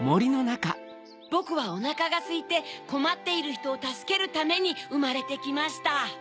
ぼくはおなかがすいてこまっているひとをたすけるためにうまれてきました。